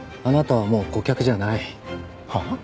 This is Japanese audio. はあ？